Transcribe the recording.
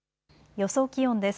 予想気温です。